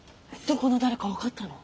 どこの誰か分かったの？